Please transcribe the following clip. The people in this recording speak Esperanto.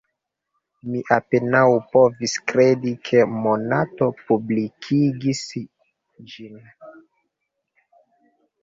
Mi apenaŭ povis kredi ke Monato publikigis ĝin.